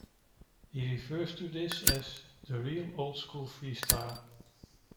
He refers to this as "the real old-school freestyle".